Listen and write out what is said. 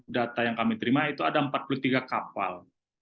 data yang kami terima itu ada empat puluh tiga kapal